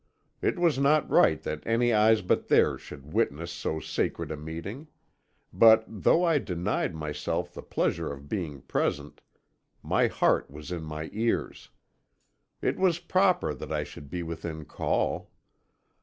It was not right that any eyes but theirs should witness so sacred a meeting; but though I denied myself the pleasure of being present, my heart was in my ears. It was proper that I should be within call.